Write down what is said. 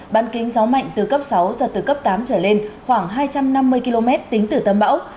ban kính gió mạnh từ cấp sáu giật từ cấp tám trở lên khoảng hai trăm năm mươi km tính từ tâm bão